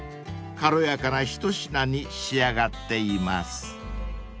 ［軽やかな一品に仕上がっています］